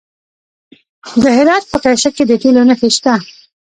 د هرات په کشک کې د تیلو نښې شته.